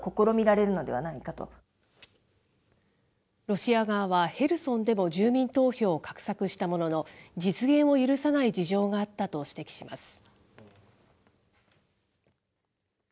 ロシア側はヘルソンでも住民投票を画策したものの、実現を許さない事情があったと指摘します。